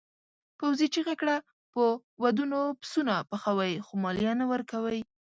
پوځي چیغه کړه په ودونو پسونه پخوئ خو مالیه نه ورکوئ.